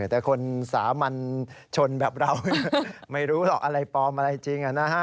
แต่คนสามัญชนแบบเราไม่รู้หรอกอะไรปลอมอะไรจริง